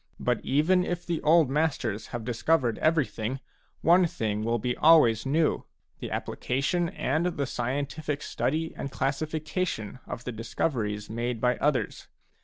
But even if the old masters have discovered everything, one thing will be always new, — the application and the scientific study and classification of the discoveries made by others.